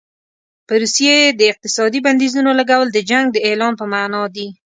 په روسیې د اقتصادي بندیزونو لګول د جنګ د اعلان په معنا دي.